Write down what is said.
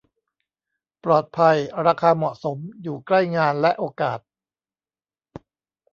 ปลอดภัย ราคาเหมาะสม อยู่ใกล้งานและโอกาส